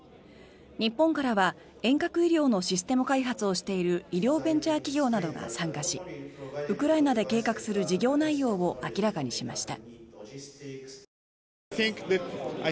日本からは遠隔医療のシステム開発をしている医療ベンチャー企業などが参加しウクライナで計画する事業内容を明らかにしました。